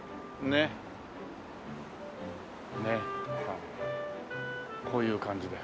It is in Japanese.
あっこういう感じで。